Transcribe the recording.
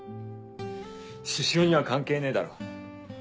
獅子王には関係ねえだろ。